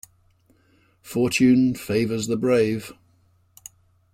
Fortune favours the brave.